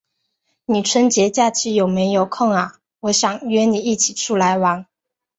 你春节假期有没有空呀？我想约你一起出来玩。